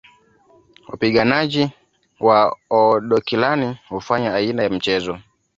Wapiganaji wa Oodokilani hufanya aina ya mchezo